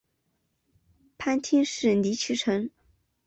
藩厅是尼崎城。